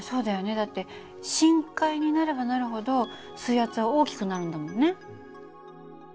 だって深海になればなるほど水圧は大きくなるんだもんね。